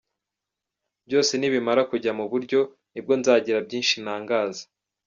Byose nibimara kujya mu buryo, nibwo nzagira byinshi ntangaza.